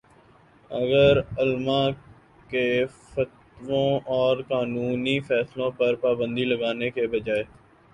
اگر علما کے فتووں اور قانونی فیصلوں پر پابندی لگانے کے بجائے